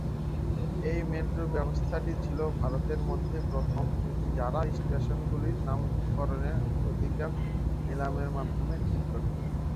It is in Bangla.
এই মেট্রো ব্যবস্থাটি ছিল ভারতের মধ্যে প্রথম যারা স্টেশনগুলির নামকরণের অধিকার নিলামের মাধ্যমে ঠিক করে।